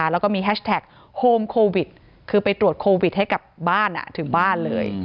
แล้วก็มีแฮชแท็กโฮมโควิดคือไปตรวจโควิดให้กับบ้านถึงบ้านเลย